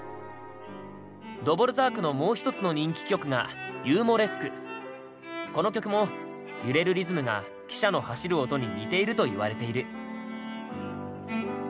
ドヴォルザークのもう一つの人気曲がこの曲も揺れるリズムが汽車の走る音に似ていると言われている。